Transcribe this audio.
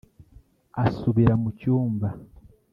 Asubira mu cyumba